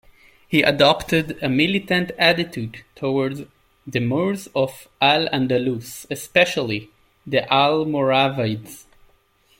He adopted a militant attitude towards the Moors of Al-Andalus, especially the Almoravids.